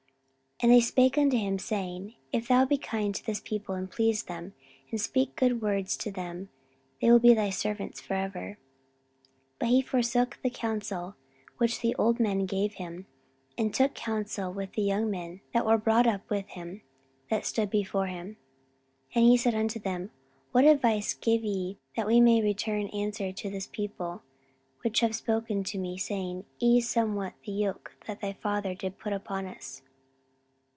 14:010:007 And they spake unto him, saying, If thou be kind to this people, and please them, and speak good words to them, they will be thy servants for ever. 14:010:008 But he forsook the counsel which the old men gave him, and took counsel with the young men that were brought up with him, that stood before him. 14:010:009 And he said unto them, What advice give ye that we may return answer to this people, which have spoken to me, saying, Ease somewhat the yoke that thy father did put upon us?